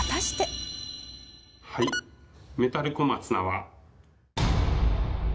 はいメタル小松菜は。